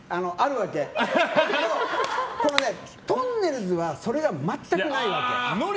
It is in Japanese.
だけど、とんねるずはそれが全くないわけ。